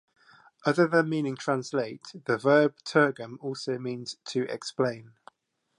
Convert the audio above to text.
Other than the meaning "translate" the verb "Tirgem" also means "to explain".